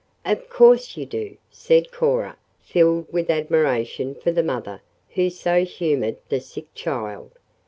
"Of course you do," said Cora, filled with admiration for the mother who so humored the sick child.